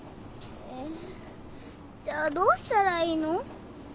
えじゃあどうしたらいいの？